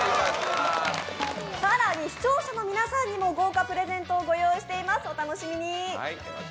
更に視聴者の皆さんにも豪華プレゼントを御用意しています、お楽しみに。